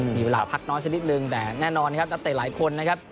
มีเวลาพักน้อยสักนิดนึงแต่แน่นอนนะครับนักเตะหลายคนนะครับ